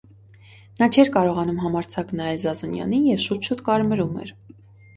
Նա չէր կարողանում համարձակ նայել Զազունյանին և շուտ-շուտ կարմրում էր: